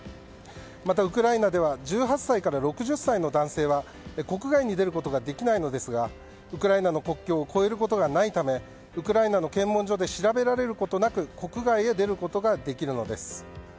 また、ウクライナでは１８歳から６０歳の男性は国外に出ることができないのですがウクライナの国境を越えることがないためウクライナの検問所で調べられることなく国外へ出ることができるのです。